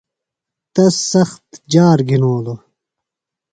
۔تس سخت جار گِھنولوۡ۔